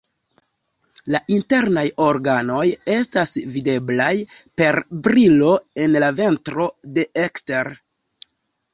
La internaj organoj estas videblaj per brilo en la ventro de ekstere.